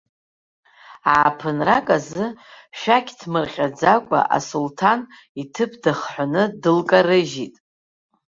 Ааԥынрак азы, шәақь ҭмырҟьаӡакәа, асулҭан иҭыԥ дахҳәаны дылкарыжьит.